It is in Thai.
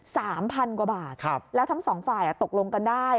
สามพันกว่าบาทครับแล้วทั้งสองฝ่ายอ่ะตกลงกันได้